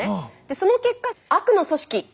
その結果悪の組織